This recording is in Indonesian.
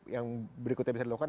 yang berikutnya bisa dilakukan